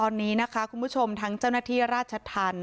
ตอนนี้นะคะคุณผู้ชมทั้งเจ้าหน้าที่ราชธรรม